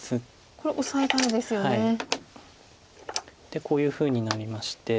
でこういうふうになりまして。